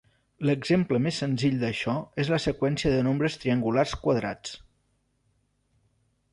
L'exemple més senzill d'això és la seqüència de nombres triangulars quadrats.